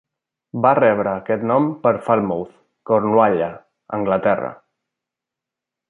Va rebre aquest nom per Falmouth, Cornualla, Anglaterra.